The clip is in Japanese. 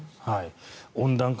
温暖化